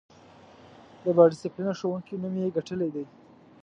د با ډسیپلینه ښوونکی نوم یې ګټلی دی.